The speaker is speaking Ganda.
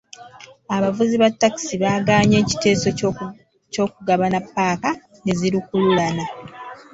Abavuzi ba takisi bagaanye ekiteeso ky'okugabana paaka ne zi lukululana.